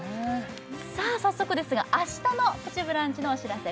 早速ですが明日の「プチブランチ」のお知らせ